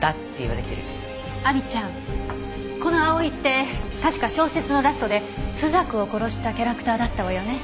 亜美ちゃんこの葵って確か小説のラストで朱雀を殺したキャラクターだったわよね？